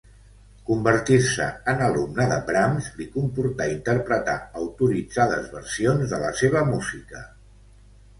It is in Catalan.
Convertir-se en alumne de Brahms li comportà interpretar autoritzades versions de la seva música.